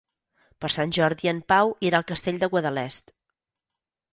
Per Sant Jordi en Pau irà al Castell de Guadalest.